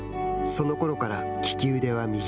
そのころから、利き腕は右。